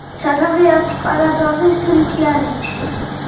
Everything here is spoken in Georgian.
სათავე აქვს ყარაბაღის მთიანეთში.